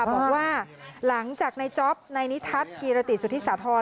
บอกว่าหลังจากในจ๊อปในนิทัศน์กีรติสุธิสาธร